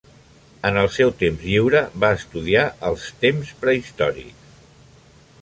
En el seu temps lliure, va estudiar els temps prehistòrics.